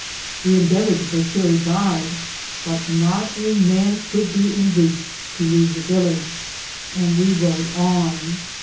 We endeavoured to procure a guide, but not a man could be induced to leave the village, and we rode on.